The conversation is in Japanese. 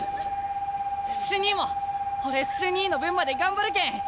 瞬兄も俺瞬兄の分まで頑張るけん。